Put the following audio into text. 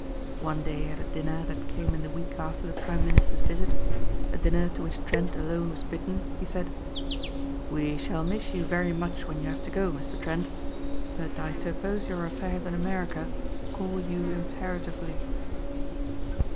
One day at a dinner that came in the week after the prime minister's visit, a dinner to which Trent alone was bidden, he said: "We shall miss you very much when you have to go, Mr. Trent, but I suppose your affairs in America call you imperatively."